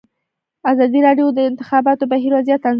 ازادي راډیو د د انتخاباتو بهیر وضعیت انځور کړی.